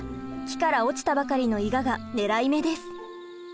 木から落ちたばかりのイガが狙い目です。